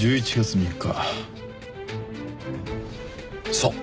そう。